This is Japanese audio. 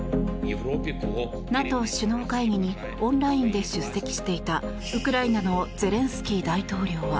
ＮＡＴＯ首脳会議にオンラインで出席していたウクライナのゼレンスキー大統領は。